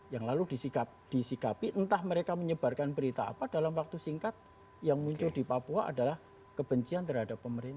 yang lalu disikapi entah mereka menyebarkan berita apa dalam waktu singkat yang muncul di papua adalah kebencian terhadap pemerintah